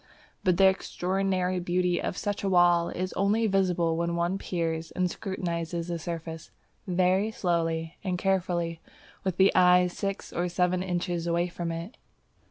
But the extraordinary beauty of such a wall is only visible when one peers and scrutinizes the surface very slowly and carefully with the eyes six or seven inches away from it.